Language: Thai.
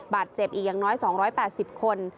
บาดเจ็บอีกอย่างน้อย๒๘๐คน